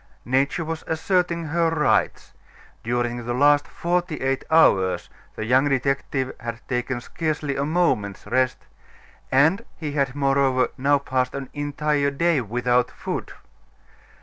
Nature was asserting her rights; during the last forty eight hours, the young detective had taken scarcely a moment's rest, and he had, moreover, now passed an entire day without food.